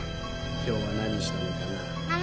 今日は何したのかな？